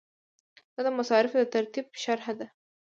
دا د مصارفو د ترتیب شرحه ده.